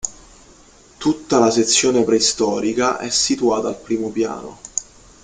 Tutta la sezione preistorica è situata al primo piano.